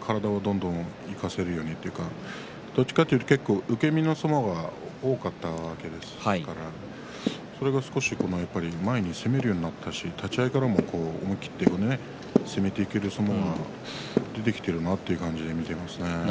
体もどんどん生かせるようにというかどちらかというと受け身の相撲が多かったんですがそれが少し前に攻めるようになったし立ち合いからも思い切って攻めていける相撲が出てきているなという感じがします。